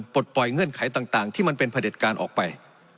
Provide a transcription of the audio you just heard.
ปลดปล่อยเงื่อนไขต่างที่มันเป็นผลิตการออกไป